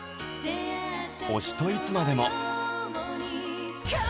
「推しといつまでも」